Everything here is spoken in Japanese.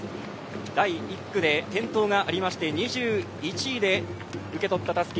第１区で転倒がありまして２１位で受け取ったたすき。